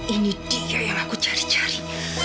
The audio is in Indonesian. ini tiga yang aku cari cari